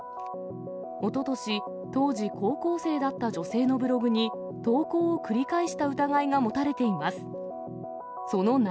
おととし、当時高校生だった女性のブログに投稿を繰り返した疑いが持たれています。